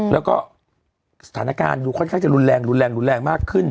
แล้วก็สถานการณ์ดูค่อนข้างจะรุนแรงรุนแรงมากขึ้น